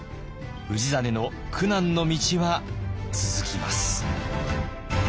氏真の苦難の道は続きます。